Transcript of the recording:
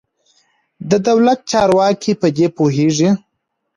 د دولت چارواکي په دې پوهېږي.